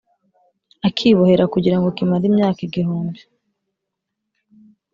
akibohera kugira ngo kimare imyaka igihumbi,